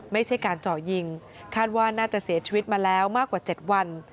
ไม่ใช่การเจาะยิงคาดว่าน่าจะเสียชีวิตมาแล้วมากกว่า๗วัน